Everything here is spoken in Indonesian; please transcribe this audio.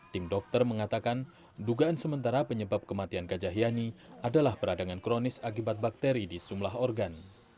tim dokter mengatakan dugaan sementara penyebab kematian gajah yani adalah peradangan kronis akibat bakteri di sejumlah organ